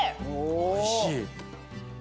おいしい？